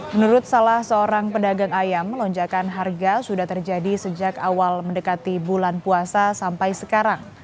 menurut salah seorang pedagang ayam lonjakan harga sudah terjadi sejak awal mendekati bulan puasa sampai sekarang